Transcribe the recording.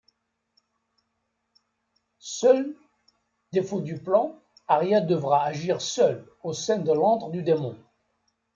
Seul défaut du plan, Aria devra agir seule, au sein de l'antre du démon.